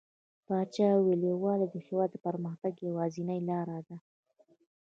پاچا وويل: يووالى د هيواد د پرمختګ يوازينۍ لاره ده .